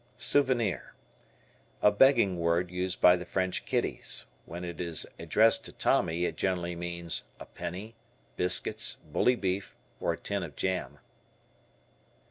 Souvenir. A begging word used by the French kiddies. When it is addressed to Tommy it generally means, a penny, biscuits, bully beef, or a tin of jam.